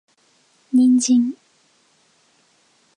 人参